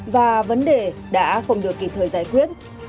và vấn đề đã không được kịp thời giải quyết